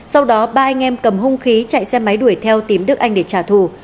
sau đó ba anh em cầm hung khí chạy xe máy đuổi theo tìm đức anh để trả thù